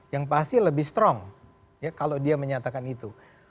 yang pasti lebih strong ya kalau dia menyatakan itu